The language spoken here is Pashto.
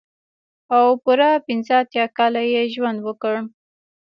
او پوره پنځه اتيا کاله يې ژوند وکړ.